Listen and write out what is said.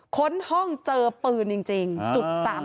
ค้นห้องเจอปืนจริง๓๘